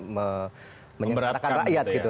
menyatakan rakyat gitu